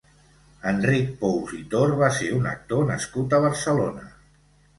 Enric Pous i Tor va ser un actor nascut a Barcelona.